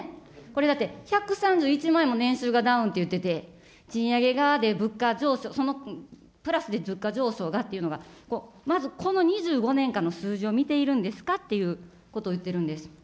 これ、だって、１３１万円も年収がダウンっていってて、賃上げが、物価上昇、そのプラスで物価上昇だっていうのが、まずこの２５年間の数字を見ているんですかっていうことを言ってるんです。